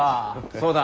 そうだ。